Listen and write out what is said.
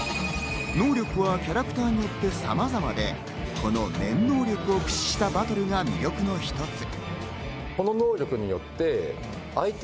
能力はキャラクターによって様々で、この念能力を駆使したバトルが魅力の一つ。